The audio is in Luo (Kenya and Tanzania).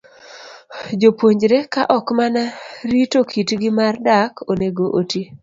Jopuonjre, ka ok mana rito kitgi mar dak, onego oti